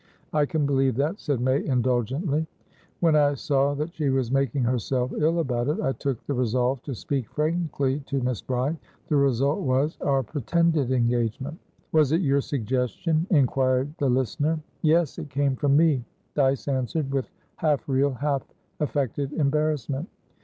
"I can believe that," said May indulgently. "When I saw that she was making herself ill about it, I took the resolve to speak frankly to Miss Bride. The result wasour pretended engagement." "Was it your suggestion?" inquired the listener. "Yes, it came from me," Dyce answered, with half real, half affected, embarrassment.